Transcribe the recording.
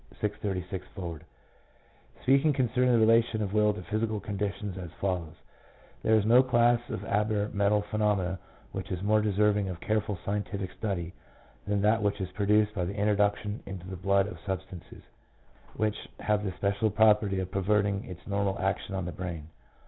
656L, speaks concerning the relation of will to physical conditions, as follows: — "There is no class of aberrant mental phenomena which is more deserving of careful scientific study than that which is produced by the introduction into the blood of substances which have the special property of perverting its normal action on the brain.